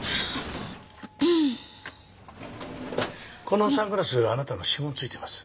このサングラスあなたの指紋付いてます。